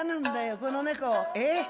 この猫ええ。